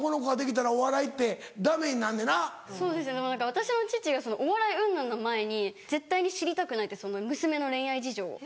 私の父がお笑いうんぬんの前に絶対に知りたくないって娘の恋愛事情を。